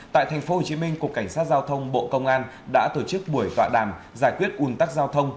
tại tp hcm cục cảnh sát giao thông bộ công an đã tổ chức buổi tọa đàm giải quyết un tắc giao thông